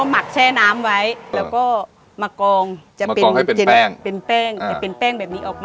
มักแช่น้ำไว้แล้วก็มากองให้เป็นแป้ง